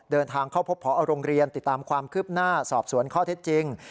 เดินทางเข้าพบพอโรงเรียนติดตามความคืบหน้าสอบสวนข้อเท็จจริง